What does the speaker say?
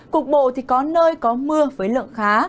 cục bộ thì có nơi có mưa với lượng khá